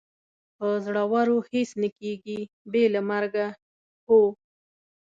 په زړورو هېڅ نه کېږي، بې له مرګه، هو.